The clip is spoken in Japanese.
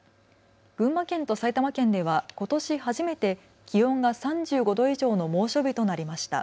群馬県と埼玉県ではことし初めて気温が３５度以上の猛暑日となりました。